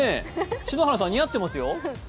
篠原さん、似合ってますよ。